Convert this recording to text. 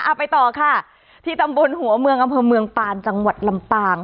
ไปต่อค่ะที่ตำบลหัวเมืองอำเภอเมืองปานจังหวัดลำปาง